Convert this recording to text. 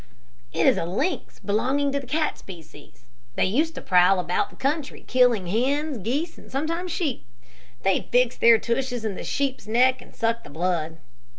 "It is a lynx, belonging to the cat species. They used to prowl about the country killing hens, geese, and sometimes sheep. They'd fix their tushes in the sheep's neck and suck the blood.